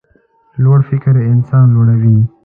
لوړ فکر انسان لوړوي.